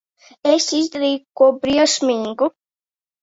Es izdarīju ko briesmīgu.